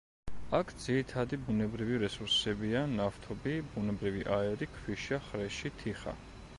აქ ძირითადი ბუნებრივი რესურსებია: ნავთობი, ბუნებრივი აირი, ქვიშა, ხრეში, თიხა.